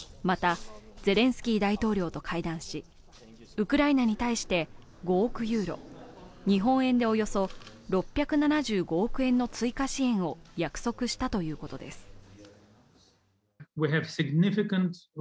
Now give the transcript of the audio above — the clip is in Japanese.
また、ゼレンスキー大統領と会談しウクライナに対して５億ユーロ、日本円でおよそ６７５億円の追加支援を約束したということです。